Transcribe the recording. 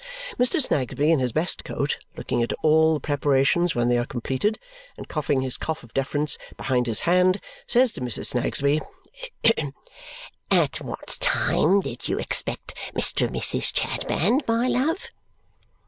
Mr. Snagsby in his best coat, looking at all the preparations when they are completed and coughing his cough of deference behind his hand, says to Mrs. Snagsby, "At what time did you expect Mr. and Mrs. Chadband, my love?"